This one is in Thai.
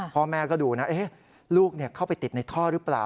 พ่อแม่ก็ดูนะลูกเข้าไปติดในท่อหรือเปล่า